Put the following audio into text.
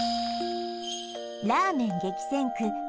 ラーメン激戦区